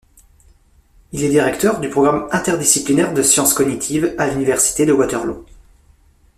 Il est directeur du programme interdisciplinaire de science cognitive à l’Université de Waterloo.